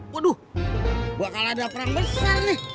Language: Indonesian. waduh bakal ada perang besar nih